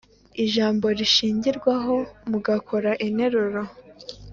ijambo rishingirwahomugukora interuro